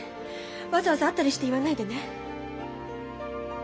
わざわざ会ったりして言わないでね。